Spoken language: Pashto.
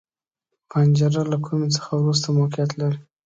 حنجره له کومي څخه وروسته موقعیت لري.